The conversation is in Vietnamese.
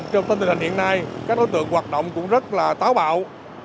trong tình hình hiện nay các đối tượng hoạt động cũng rất là táo bạo